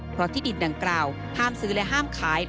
เพราะที่ดินดังกล่าวห้ามซื้อและห้ามขาย